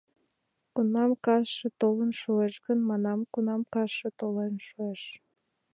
Кунам касше толын шуэш гын, манам, кунам касше толын шуэш...